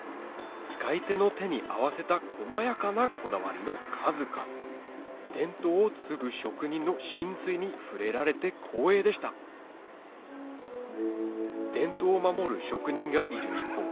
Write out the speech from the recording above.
使い手の手に合わせた細やかなこだわりの数々伝統を継ぐ職人の神髄に触れられて光栄でした伝統を守る職人がいる一方